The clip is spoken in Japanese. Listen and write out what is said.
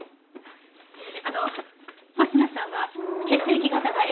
あの星名さんは血液型がＡだとか。